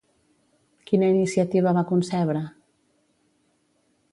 Quina iniciativa va concebre?